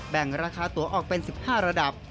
แบ่งราคาตัวออกเป็น๑๕ระดับ